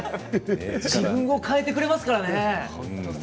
自分を変えてくれますからね。